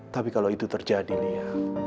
tapi kalau itu terjadi lia